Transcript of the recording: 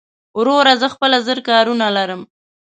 وروره زه خپله زر کارونه لرم